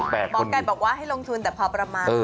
แปลกคนอยู่หมอไก่บอกว่าให้ลงทุนแต่พอประมาณ